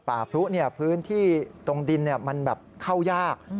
ป่าพรุธพื้นที่ตรงดินเข้ายาก